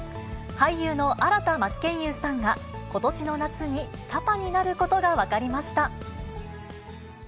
俳優の新田真剣佑さんが、ことしの夏にパパになることが分かりました。